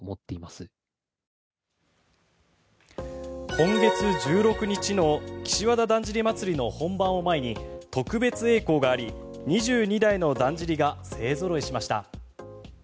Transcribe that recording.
今月１６日の岸和田だんじり祭の本番を前に特別えい行があり２２台のだんじりが勢ぞろいしました。